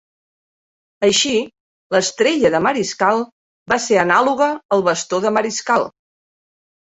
Així, l'estrella de mariscal va ser anàloga al bastó de Mariscal.